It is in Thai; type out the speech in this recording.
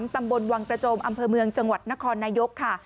ตำบลวังกระโจมอำเภอเมืองจังหวัดนครนายกค่ะ